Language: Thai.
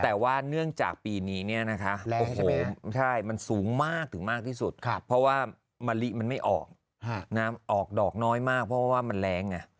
แต่ว่าเนื่องจากปีนี้เนี่ยนะคะมันสูงมากถึงมากที่สุดเพราะว่ามะลิมันไม่ออกน้ำออกดอกน้อยมากเพราะว่ามันแรงไง